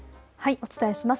お伝えします。